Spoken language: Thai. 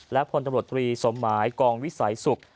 และพลตำรวจตรีสมหมายกองวิสัยศุกร์